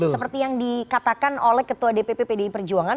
seperti yang dikatakan oleh ketua dpp pdi perjuangan